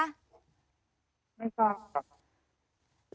ไม่ครับ